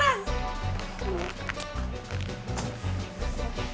sabaran banget sih